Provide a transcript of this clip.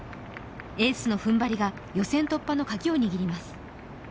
エースの踏ん張りが予選突破のカギを握ります。